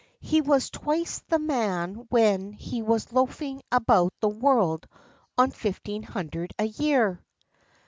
He was twice the man when he was loafing about the world on fifteen hundred a year."